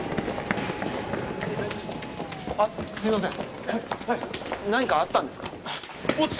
・あっすいません。